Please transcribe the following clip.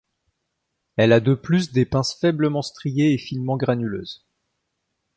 Elle a de plus des pinces faiblement striées et finement granuleuse.